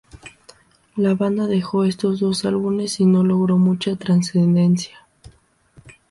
La banda dejó estos dos álbumes y no logró mucha trascendencia.